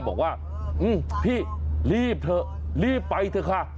บอกว่าพี่รีบเถอะรีบไปเถอะค่ะ